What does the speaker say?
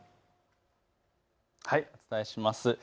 お伝えします。